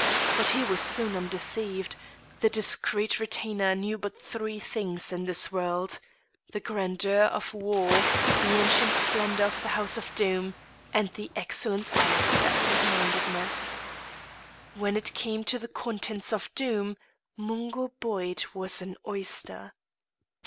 But he was soon undeceived: the discreet retainer knew but three things in this world the grandeur of war, the ancient splendour of the house of Doom, and the excellent art of absent mindedness. When it came to the contents of Doom, Mungo Boyd was an oyster.